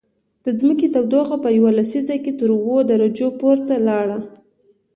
د ځمکې تودوخه په یوه لسیزه کې تر اووه درجو پورته لاړه